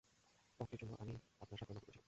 পদটার জন্য আমিই আপনার স্বাক্ষরের নকল করেছিলাম।